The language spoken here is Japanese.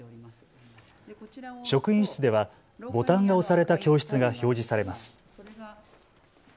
職員室ではボタンが押された教室が表示されます。